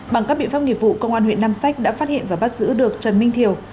bằng các biện pháp nghiệp vụ công an huyện nam sách đã phát hiện và bắt giữ được trần minh thiều